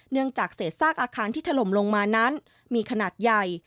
เนื่องจากเสร็จซากอาคารที่ถล่มลงมานั้นมีขนาดใหญ่